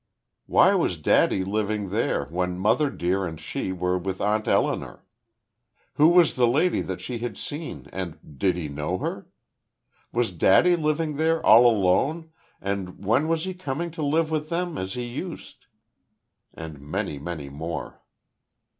"Why was daddy living there, when mother dear and she were with Aunt Elinor?" "Who was the lady that she had seen, and did he know her?" "Was daddy living there all alone, and when was he coming to live with them, as he used?" and many, many more.